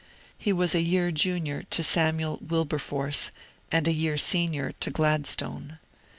He was a year junior to Samuel Wilberforce, and a year senior to Gladstone.